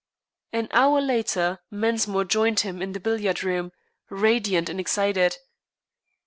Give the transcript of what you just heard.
An hour later Mensmore joined him in the billiard room, radiant and excited.